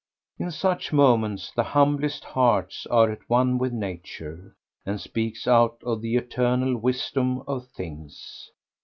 In such moments the humblest hearts are at one with nature, and speaks out of the eternal wisdom of things.